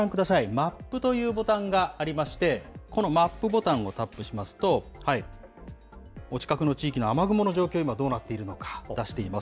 マップというボタンがありまして、このマップボタンをタップしますと、お近くの地域の雨雲の状況、今、どうなっているのかを出しています。